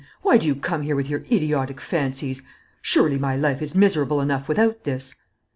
Why do you come here with your idiotic fancies? Surely my life is miserable enough without this!"